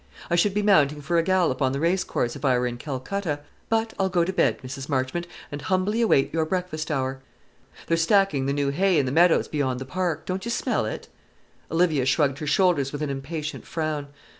I should be mounting for a gallop on the race course, if I were in Calcutta. But I'll go to bed, Mrs Marchmont, and humbly await your breakfast hour. They're stacking the new hay in the meadows beyond the park. Don't you smell it?" Olivia shrugged her shoulders with an impatient frown.